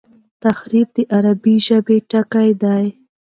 تحریف د عربي ژبي ټکی دﺉ.